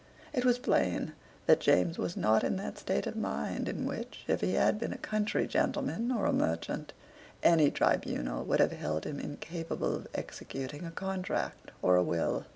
It was plain that James was not in that state of mind in which, if he had been a country gentleman or a merchant, any tribunal would have held him incapable of executing a contract or a will.